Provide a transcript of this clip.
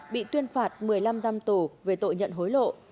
bị tuyên phạt một mươi năm năm tù về tội nhận hối lộ